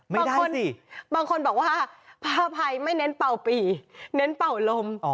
อ๋อไม่ได้สิบางคนบอกว่าพระภัยไม่เน้นเป่าปี่เน้นเป่าลมอ๋อ